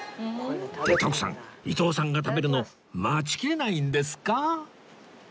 って徳さん伊東さんが食べるの待ちきれないんですか？